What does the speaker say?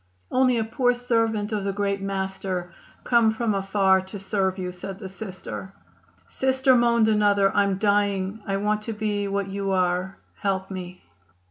"Only a poor servant of the Great Master, come from afar to serve you," said the Sister. "Sister," moaned another, "I'm dying. I want to be what you are; help me."